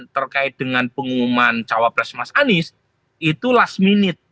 terkait dengan pengumuman cawapres mas anies itu last minute